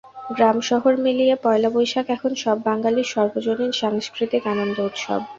গ্রাম শহর মিলিয়ে পয়লা বৈশাখ এখন সব বাঙালির সর্বজনীন সাংস্কৃতিক আনন্দ উৎসব।